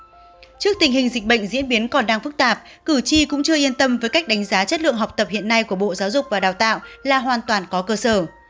trước tình hình dịch bệnh diễn biến còn đang phức tạp cử tri cũng chưa yên tâm với cách đánh giá chất lượng học tập hiện nay của bộ giáo dục và đào tạo là hoàn toàn có cơ sở